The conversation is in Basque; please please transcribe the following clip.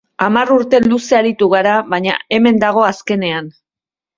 Hamar urte luze aritu g ara, baina hemen dago azkenean.